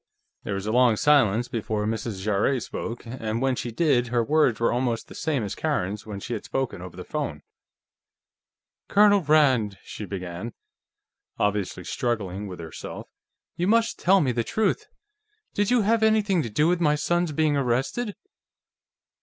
There was a long silence before Mrs. Jarrett spoke, and when she did, her words were almost the same as Karen's when she had spoken over the phone. "Colonel Rand," she began, obviously struggling with herself, "you must tell me the truth. Did you have anything to do with my son's being arrested?"